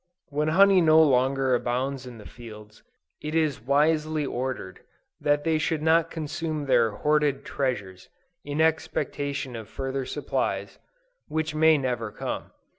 When honey no longer abounds in the fields, it is wisely ordered, that they should not consume their hoarded treasures, in expectation of further supplies, which may never come.